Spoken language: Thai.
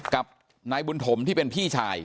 กับนายบุญถมที่เป็นพี่ชาย